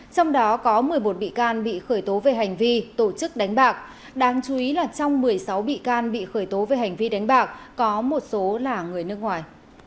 trong đó có một mươi một bị can bị khởi tố về hành vi tổ chức đánh bạc đáng chú ý là trong một mươi sáu bị can bị khởi tố về hành vi đánh bạc có một số là người nước ngoài